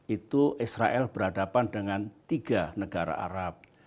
itu israel berhadapan dengan tiga negara arab